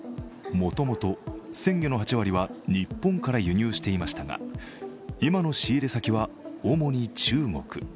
もともと鮮魚の８割は日本から輸入していましたが、今の仕入れ先は主に中国。